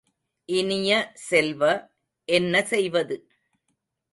இனிய செல்வ, என்ன செய்வது?